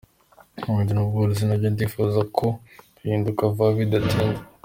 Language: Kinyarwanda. Ubuhinzi n’ubworozi nabyo ndifuza ko bihinduka vuba bidatinze.